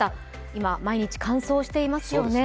今毎日乾燥していますよね。